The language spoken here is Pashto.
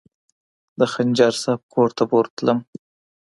د خنجر صاحب کور ته به ورتلم.